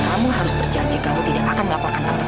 kamu harus berjanji kamu tidak akan melakukan kertas itu